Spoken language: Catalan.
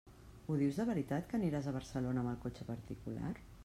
Ho dius de veritat que aniràs a Barcelona amb el cotxe particular?